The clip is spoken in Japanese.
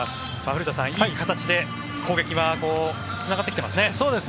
古田さん、いい形で攻撃はつながってきてますね。